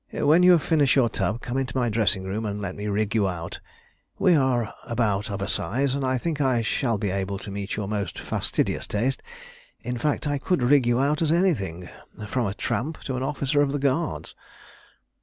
When you have finished your tub, come into my dressing room, and let me rig you out. We are about of a size, and I think I shall be able to meet your most fastidious taste. In fact, I could rig you out as anything from a tramp to an officer of the Guards."